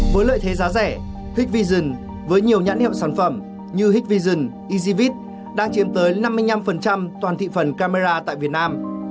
với lợi thế giá rẻ hitvision với nhiều nhãn hiệu sản phẩm như hitvision ezvit đang chiếm tới năm mươi năm toàn thị phần camera tại việt nam